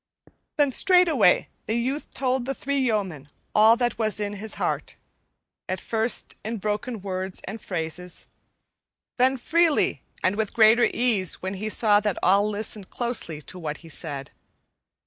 Then straightway the youth told the three yeomen all that was in his heart; at first in broken words and phrases, then freely and with greater ease when he saw that all listened closely to what he said.